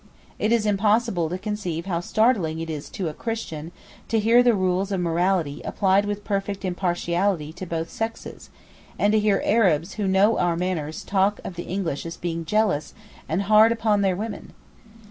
It is impossible to conceive how startling it is to a Christian to hear the rules of morality applied with perfect impartiality to both sexes, and to hear Arabs who know our manners talk of the English being 'jealous' and 'hard upon their women.